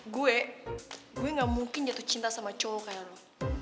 gue gue gak mungkin jatuh cinta sama cowok kayak orang